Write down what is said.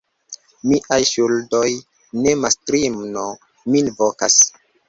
Miaj ŝuldoj de mastrino min vokas.